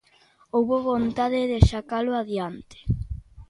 Houbo vontade de sacalo adiante.